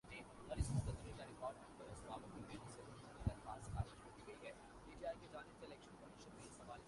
opposition کے propaganda کی وجہ سے پیداوار کی یہ شرح دبی ہوئی تھی